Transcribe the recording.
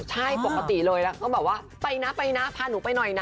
ใช่ปกติเลยแล้วก็บอกว่าไปนะไปนะพาหนูไปหน่อยนะ